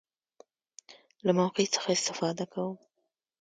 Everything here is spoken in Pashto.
له موقع څخه استفاده کوم.